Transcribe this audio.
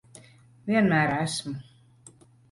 Vienmēr esmu.